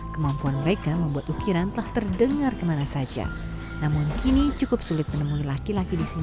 kemampuan mereka membuat ukirnya menjadi suatu perkembangan yang sangat menarik dan menarik untuk penjelajah yang berpengalaman dengan segala hal yang terjadi di nagari ini